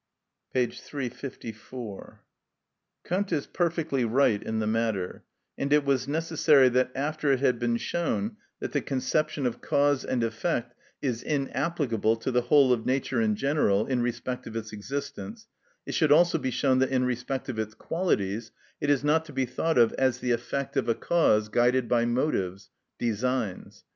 _) Schol. in Arist., ex edit. Berol., p. 354. Kant is perfectly right in the matter; and it was necessary that after it had been shown that the conception of cause and effect is inapplicable to the whole of nature in general, in respect of its existence, it should also be shown that in respect of its qualities it is not to be thought of as the effect of a cause guided by motives (designs).